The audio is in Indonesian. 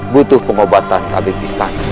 butuh pengobatan kabin istana